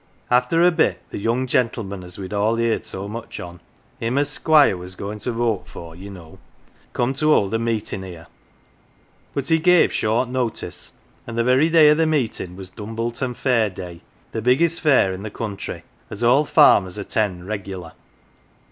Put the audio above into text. " After a bit the young gentleman as we'd all heerd so much on him as Squire was going to vote for, ye know come to hold a meetin' here. But he gave short notice, and the very day of the meetin' was Dumbleton Fair day, the biggest fair in the country, as all farmers attend regular.